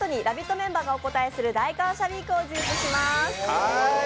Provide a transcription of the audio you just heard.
メンバーがお応えする大感謝ウィークをお送りします。